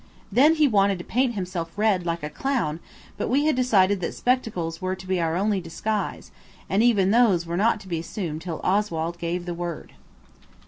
Then he wanted to paint himself red like a clown, but we had decided that spectacles were to be our only disguise, and even those were not to be assumed till Oswald gave the word.